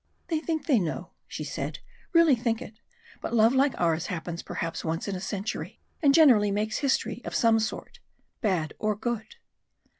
"They think they know," she said. "Really think it, but love like ours happens perhaps once in a century, and generally makes history of some sort bad or good."